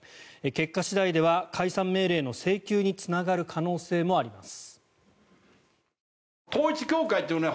結果次第では解散命令の請求につながる可能性もあります。